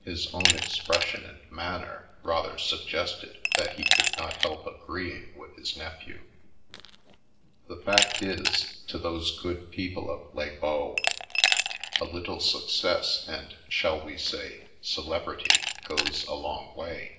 (His own expression and manner rather suggested that he could not help agreeing with his nephew.) "The fact is, to those good people of Les Baux a little success, and, shall we say, celebrity, goes a long way.